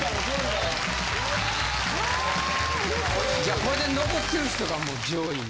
これで残ってる人がもう上位に。